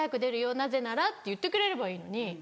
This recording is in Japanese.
なぜならって言ってくれればいいのに